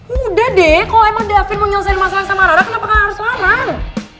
udah deh kalo emang davin mau nyelesain masalah sama ra kenapa kan harus sama ra